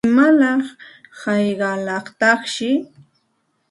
¿Imalaq hayqalataqshi?